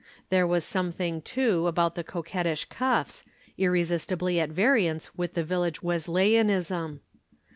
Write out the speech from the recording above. There was something, too, about the coquettish cuffs, irresistibly at variance with the village Wesleyanism.